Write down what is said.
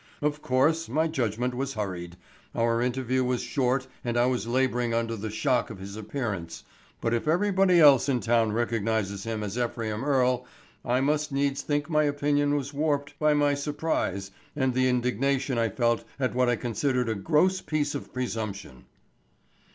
Of course my judgment was hurried, our interview was short and I was laboring under the shock of his appearance. But if everybody else in town recognizes him as Ephraim Earle, I must needs think my opinion was warped by my surprise and the indignation I felt at what I considered a gross piece of presumption."